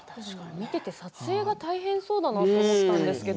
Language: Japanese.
撮影が大変だなと思ったんですけど。